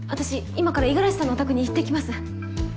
今から五十嵐さんのお宅に行ってきます。